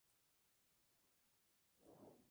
Siempre compartimos nuestros alimentos.